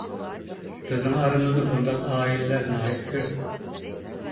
بىزنىڭ ئارىمىزدا بۇنداق ئائىلىلەر ناھايىتى كۆپ.